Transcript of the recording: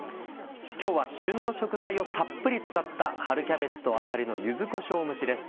今日は旬の食材をたっぷり使った「春キャベツとあさりの柚子こしょう蒸し」です。